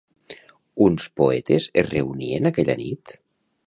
Uns poetes es reunien aquella nit?